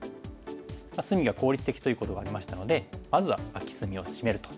隅が効率的ということがありましたのでまずはアキ隅をシメると。